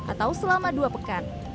atau selama dua pekan